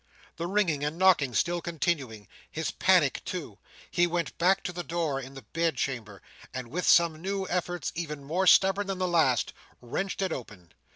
The ringing and knocking still continuing—his panic too—he went back to the door in the bed chamber, and with some new efforts, each more stubborn than the last, wrenched it open.